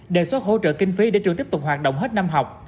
đề xuất hỗ trợ kinh phí để trường tiếp tục hoạt động hết năm học